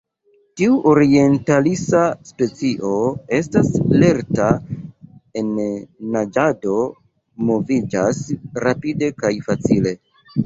Tiu orientalisa specio estas lerta en naĝado, moviĝas rapide kaj facile.